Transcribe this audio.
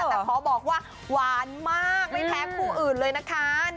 แต่ขอบอกว่าหวานมากไม่แพ้คู่อื่นเลยนะคะ